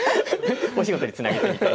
お仕事につなげてみたいな。